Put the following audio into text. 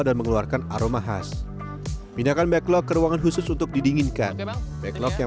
dan mengeluarkan aroma khas pindahkan backlog ke ruangan khusus untuk didinginkan backlog yang